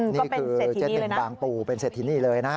นี่คือเจ๊หนึ่งบางปู่เป็นเศรษฐินีเลยนะ